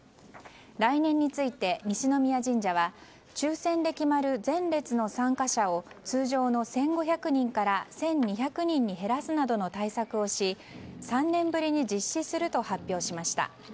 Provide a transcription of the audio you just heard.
来年について、西宮神社は抽選で決まる前列の参加者を通常の１５００人から１２００人に減らすなどの対策をし３年ぶりに実施すると発表しました。